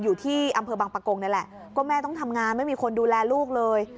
อยู่ที่อำเภอบังปะกงนี่แหละก็แม่ต้องทำงานไม่มีคนดูแลลูกเลย